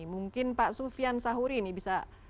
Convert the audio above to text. mungkin pak sufian sahuri ini bisa